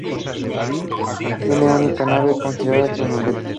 Tiene una única nave con girada de lunetas.